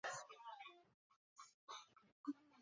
马列主义联盟是挪威的一个已不存在的霍查主义组织。